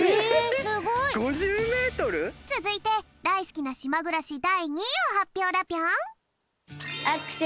つづいてだいすきなしまぐらしだい２いをはっぴょうだぴょん！